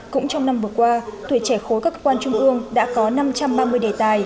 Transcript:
cũng trong năm vừa qua tuổi trẻ khối các cơ quan trung ương đã có năm trăm ba mươi đề tài